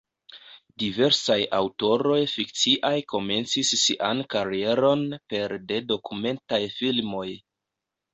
Diversaj aŭtoroj fikciaj komencis sian karieron pere de dokumentaj filmoj.